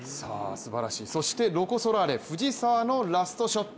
そしてロコ・ソラーレ藤澤のラストショット。